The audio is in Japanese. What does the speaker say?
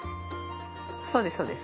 そうですそうです。